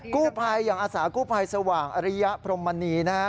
กู้ภัยอย่างอาสากู้ภัยสว่างอริยพรมมณีนะครับ